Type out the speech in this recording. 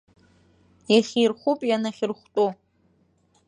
Иахьирхәып ианахьырхәтәу.